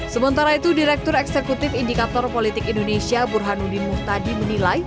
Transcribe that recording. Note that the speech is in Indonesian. sementara itu direktur eksekutif indikator politik indonesia burhanuddin muhtadi menilai